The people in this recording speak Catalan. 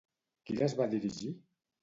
Qui les va dirigir?